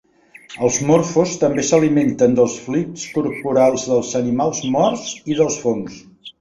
Els morfos també s'alimenten dels fluids corporals dels animals morts i dels fongs.